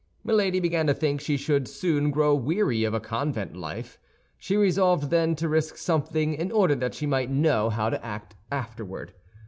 Milady began to think she should soon grow weary of a convent life; she resolved, then, to risk something in order that she might know how to act afterward.